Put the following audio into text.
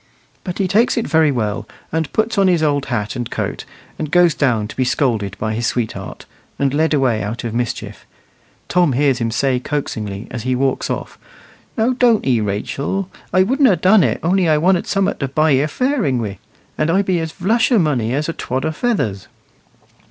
But he takes it very well, and puts on his old hat and coat, and goes down to be scolded by his sweetheart, and led away out of mischief. Tom hears him say coaxingly, as he walks off, "Now doan't 'ee, Rachel! I wouldn't ha' done it, only I wanted summut to buy 'ee a fairing wi', and I be as vlush o' money as a twod o' feathers."